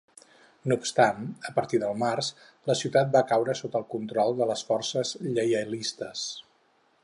No obstant, a partir de març, la ciutat va caure sota el control de les forces lleialistes.